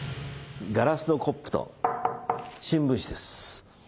ガラスのコップと新聞紙です。